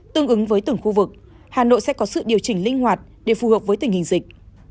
trong các khu vực hà nội sẽ có sự điều chỉnh linh hoạt để phù hợp với tình hình dịch